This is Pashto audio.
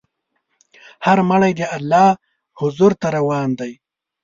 هر مړی د الله حضور ته روان دی.